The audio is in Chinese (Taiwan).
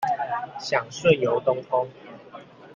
想順遊東峰